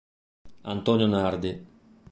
Antonio Nardi